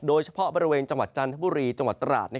โดยเฉพาะบริเวณจังหวัดจันทบุรีจังหวัดตราด